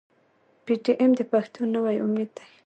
پي ټي ايم د پښتنو نوی امېد دی.